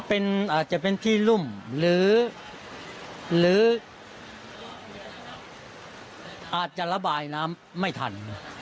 เป็นอาจจะเป็นที่หลุ่มหรืออาจจะระบายไม่ทัน